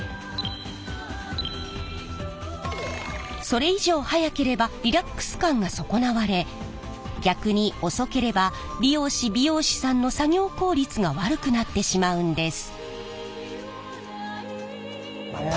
それ以上速ければリラックス感が損なわれ逆に遅ければ理容師・美容師さんの作業効率が悪くなってしまうんです。